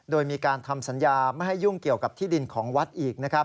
โดยมีการทำสัญญาไม่ให้ยุ่งเกี่ยวกับที่ดินของวัดอีก